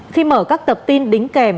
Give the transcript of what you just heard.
khi mở các tập tin đính kèm